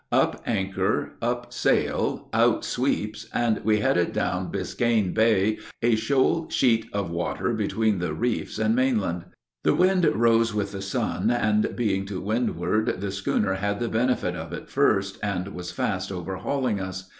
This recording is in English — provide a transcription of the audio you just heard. Up anchor, up sail, out sweeps, and we headed down Biscayne Bay, a shoal sheet of water between the reefs and mainland. The wind rose with the sun, and, being to windward, the schooner had the benefit of it first, and was fast overhauling us.